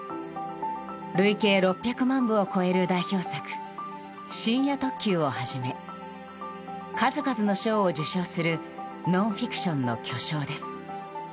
累計６００万部を超える代表作「深夜特急」をはじめ数々の賞を受賞するノンフィクションの巨匠です。